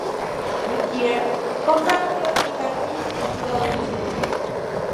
Goodyear compitió en karting en su adolescencia.